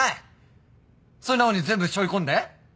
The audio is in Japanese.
それなのに全部しょい込んで？